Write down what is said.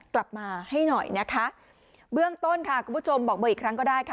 กลับมาให้หน่อยนะคะเบื้องต้นค่ะคุณผู้ชมบอกเบอร์อีกครั้งก็ได้ค่ะ